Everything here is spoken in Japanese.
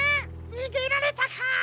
にげられたか！